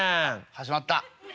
「始まった」。